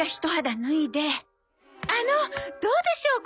あのどうでしょう？